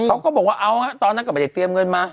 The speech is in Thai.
เขาก็บอกว่าเอาฮะตอนนั้นก็ไม่ได้เตรียมเงินมา